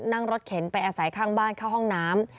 นั่งรถเข็นไปอาศัยข้างบ้านเข้าห้องน้ำ